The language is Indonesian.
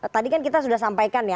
tadi kan kita sudah sampaikan ya